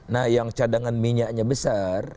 nah yang cadangan minyaknya besar